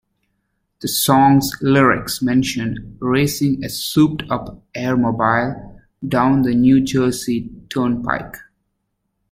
The song's lyrics mention racing a souped-up "air-mobile" down the New Jersey Turnpike.